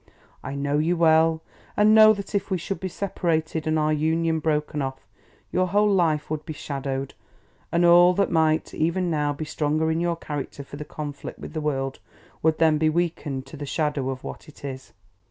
I know you well, and know that if we should be separated and our union broken off, your whole life would be shadowed, and all that might, even now, be stronger in your character for the conflict with the world would then be weakened to the shadow of what it is!"